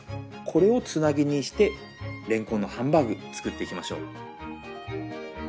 これをつなぎにしてれんこんのハンバーグ作っていきましょう。